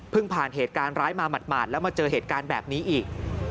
ผ่านเหตุการณ์ร้ายมาหมาดแล้วมาเจอเหตุการณ์แบบนี้อีก